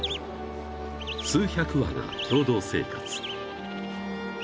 ［数百羽が共同生活］